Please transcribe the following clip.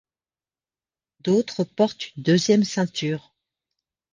D'autres portent une deuxième ceinture.